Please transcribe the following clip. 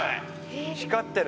光ってる。